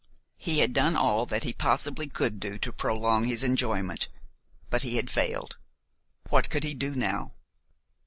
He had done all that he possibly could do to prolong his enjoyment, but he had failed; what could he do now?